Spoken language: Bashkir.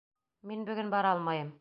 Мин бөгөн бара алмайым.